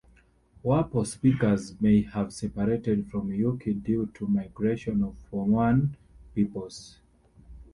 Wappo speakers may have separated from Yuki due to migrations of Pomoan peoples.